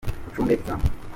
ucunge izamu.